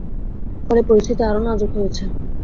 ফলে পরিস্থিতি আরও নাজুক হয়েছে।